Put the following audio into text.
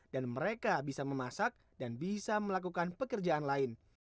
dan mereka bisa memasak dan bisa melakukan pekerjaan lain